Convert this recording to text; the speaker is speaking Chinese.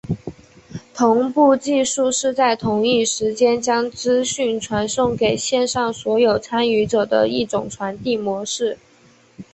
同步技术是在同一时间将资讯传送给线上所有参与者的一种传递模式。